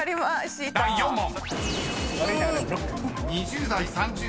［第４問］